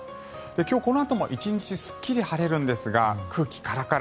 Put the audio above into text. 今日このあとも１日すっきり晴れるんですが空気カラカラ。